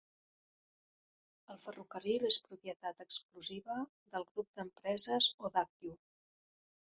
El ferrocarril és propietat exclusiva del grup d'empreses Odakyu.